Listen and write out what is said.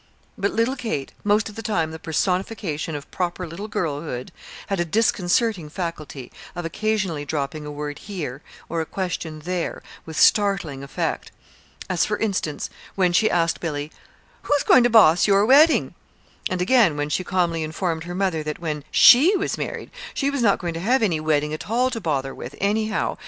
But little Kate most of the time the personification of proper little girlhood had a disconcerting faculty of occasionally dropping a word here, or a question there, with startling effect. As, for instance, when she asked Billy "Who's going to boss your wedding?" and again when she calmly informed her mother that when she was married she was not going to have any wedding at all to bother with, anyhow.